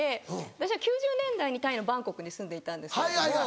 私は９０年代にタイのバンコクに住んでいたんですけれども。